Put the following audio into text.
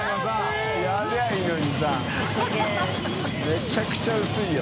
めちゃくちゃ薄いよ。